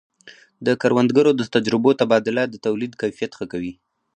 د کروندګرو د تجربو تبادله د تولید کیفیت ښه کوي.